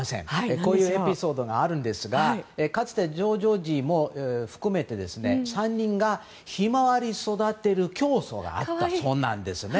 こういうエピソードがあるんですがかつて、ジョージ王子も含めて３人がヒマワリを育てる競争があったそうなんですね。